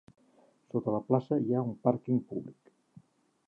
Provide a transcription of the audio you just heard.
Sota la plaça hi ha un pàrquing públic.